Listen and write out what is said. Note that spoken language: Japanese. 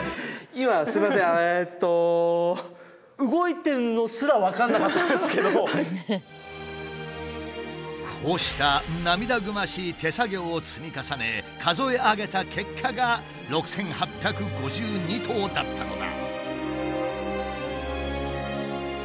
今すいませんえっとこうした涙ぐましい手作業を積み重ね数え上げた結果が６，８５２島だったのだ。